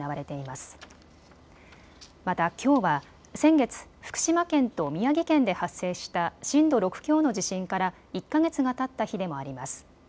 またきょうは先月、福島県と宮城県で発生した震度６強の地震から１か月がたった日でもあります。